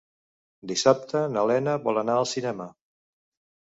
Dissabte na Lena vol anar al cinema.